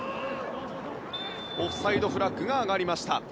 オフサイドフラッグが上がりました。